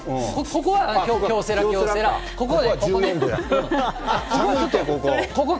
ここは京セラ、京セラ、ここが。